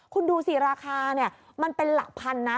คุณดูสิราคามันเป็นหลักพันนะ